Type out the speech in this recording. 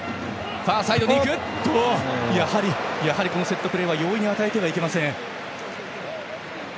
セットプレーは容易に与えてはいけません。